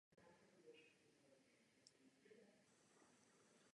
Stal se ředitelem kolumbijské delegace na Mezinárodní organizaci pro kávu v Londýně.